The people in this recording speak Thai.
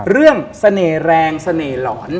เรื่องเสน่ห์แรงเสน่ห์หลอน